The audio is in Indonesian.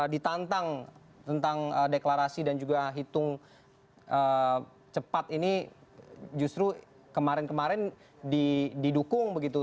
ditantang tentang deklarasi dan juga hitung cepat ini justru kemarin kemarin didukung begitu